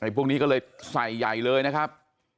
พวกนี้ก็เลยใส่ใหญ่เลยนะครับ